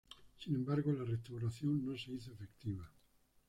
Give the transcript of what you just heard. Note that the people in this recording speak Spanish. Sin embargo la restauración no se hizo efectiva.